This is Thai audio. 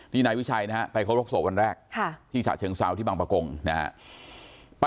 นี่นายวิชัยนะฮะไปเคราะห์โรคโสกวันแรกที่ฉะเชิงเศร้าที่บางประกงนะฮะ